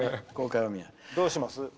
どうします？